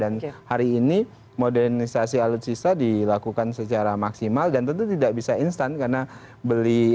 dan hari ini modernisasi alutsista dilakukan secara maksimal dan tentu tidak bisa instan karena beli alutsista